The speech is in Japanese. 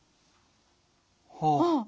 ああ。